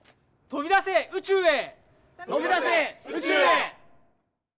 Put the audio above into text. とびだせ宇宙へ。